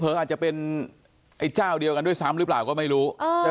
อาจจะเป็นไอ้เจ้าเดียวกันด้วยซ้ำหรือเปล่าก็ไม่รู้